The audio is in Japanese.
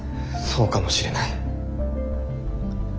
そうかもしれない。